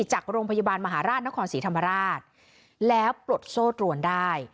จากโรงพยาบาลมหาราชนครศรีธรรมราชแล้วปลดโซ่ตรวนได้